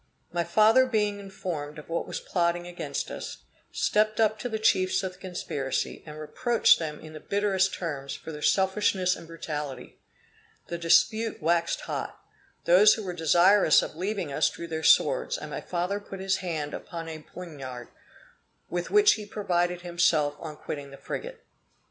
My father being informed of what was plotting against us, stepped up to the chiefs of the conspiracy, and reproached them in the bitterest terms for their selfishness and brutality. The dispute waxed hot. Those who were desirous of leaving us drew their swords, and my father put his hand upon a poignard, with which he had provided himself on quitting the frigate.